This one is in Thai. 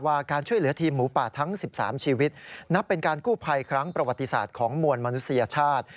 การช่วยเหลือทีมหมูป่าทั้ง๑๓ชีวิตนับเป็นการกู้ภัยครั้งประวัติศาสตร์ของมวลมนุษยชาติ